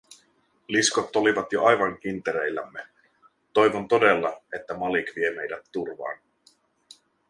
Liskot olivat jo aivan kintereillämme - toivon todella, että Malik vie meitä turvaan.